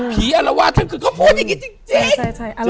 อารวาสทั้งคืนเขาพูดอย่างนี้จริง